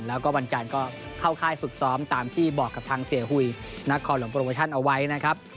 แล้วก็วันจันทร์ก็เข้าค่ายฝึกซ้อมตามที่บอกกับทางเสียหุยนครหลวงโปรโมชั่นเอาไว้นะครับ